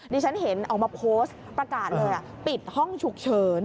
ที่ฉันเห็นออกมาโพสต์ประกาศเลยปิดห้องฉุกเฉิน